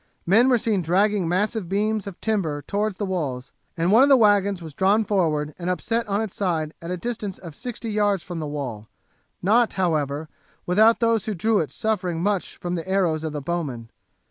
Men were seen dragging massive beams of timber towards the walls, and one of the wagons was drawn forward and upset on its side at a distance of sixty yards from the wall, not, however, without those who drew it suffering much from the arrows of the bowmen.